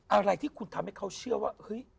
อะไรที่คุณทำให้เขาเชื่อว่าเฮ้ย